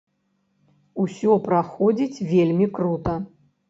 Усё праходзіць вельмі крута.